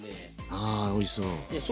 あおいしそう！